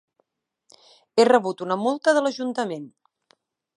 He rebut una multa de l'Ajuntament.